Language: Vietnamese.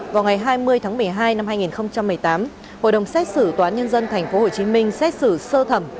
vào ngày hai mươi tháng một mươi hai năm hai nghìn một mươi tám hội đồng xét xử tòa án nhân dân tp hcm xét xử sơ thẩm